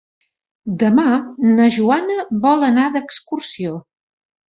Demà na Joana vol anar d'excursió.